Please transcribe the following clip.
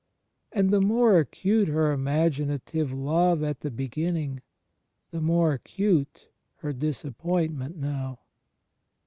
And, the more acute her imaginative love at the begin ning, the more acute her disappointment now.